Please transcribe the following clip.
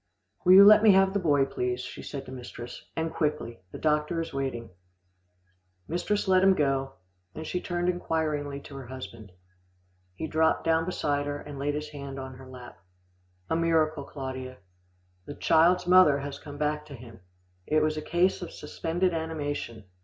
"Will you let me have the boy, please," she said to mistress, "and quickly. The doctor is waiting." Mistress let him go, then she turned inquiringly to her husband. He dropped down beside her, and laid his hand on her lap. "A miracle, Claudia. The child's mother has come back to him. It was a case of suspended animation.